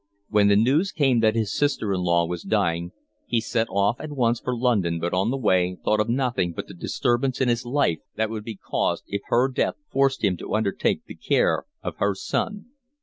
When the news came that his sister in law was dying, he set off at once for London, but on the way thought of nothing but the disturbance in his life that would be caused if her death forced him to undertake the care of her son.